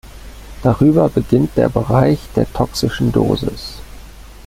Darüber beginnt der Bereich der toxischen Dosis.